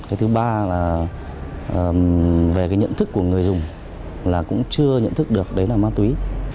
cái thứ ba là về cái nhận thức của người dùng là cũng chưa nhận thức được đấy là ma túy